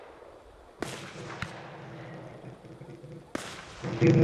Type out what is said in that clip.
পরে ফাঁস হয়, হাম্মাম খামের মধ্যে কাঁড়ি কাঁড়ি ডলার ভরে ঘুষ দিয়েছেন।